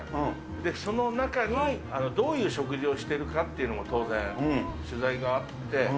その中に、どういう食事をしているかっていうのも当然、取材があって。